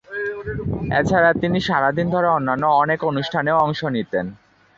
এছাড়া, তিনি সারাদিন ধরে অন্যান্য অনেক অনুষ্ঠানেও অংশ নিতেন।